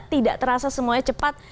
tidak terasa semuanya cepat